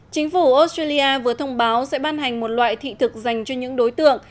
chính phủ australia vừa thông báo sẽ ban hành một loại thị thực dành cho những đối tượng